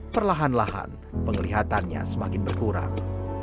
perlahan lahan penglihatannya semakin berkurang